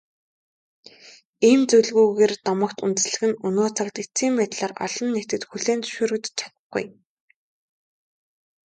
Ийм зүйлгүйгээр домогт үндэслэх нь өнөө цагт эцсийн байдлаар олон нийтэд хүлээн зөвшөөрөгдөж чадахгүй.